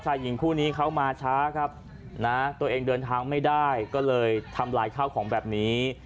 ชายหญิงคู่นี้เขามาช้าครับนะตัวเองเดินทางไม่ได้ก็เลยทำลายข้าวของแบบนี้